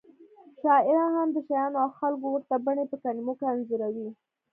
شاعران هم د شیانو او خلکو ورته بڼې په کلمو کې انځوروي